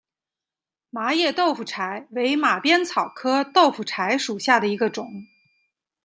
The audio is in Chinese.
麻叶豆腐柴为马鞭草科豆腐柴属下的一个种。